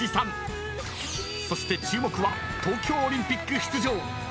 ［そして注目は東京オリンピック出場］